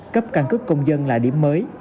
cấp căn cứ công dân là điểm mới